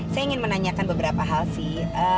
saya ingin menanyakan beberapa hal sih